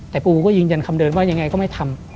แต่ปูก็ยืนยันคำเดิมว่ายังไงก็ไม่ทำ